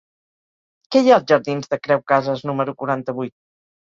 Què hi ha als jardins de Creu Casas número quaranta-vuit?